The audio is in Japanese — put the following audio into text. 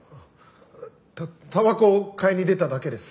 タタバコを買いに出ただけです。